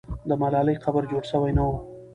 د ملالۍ قبر جوړ سوی نه وو.